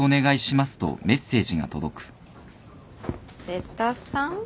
瀬田さん？